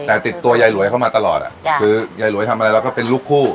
แต่ติดตัวยายหลวยเข้ามาตลอดคือยายหลวยทำอะไรเราก็เป็นลูกคู่